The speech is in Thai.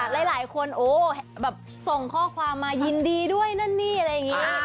หลายคนโอ้แบบส่งข้อความมายินดีด้วยนั่นนี่อะไรอย่างนี้